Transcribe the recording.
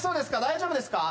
大丈夫ですか？